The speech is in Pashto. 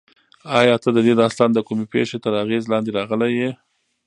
ایا ته د دې داستان د کومې پېښې تر اغېز لاندې راغلی یې؟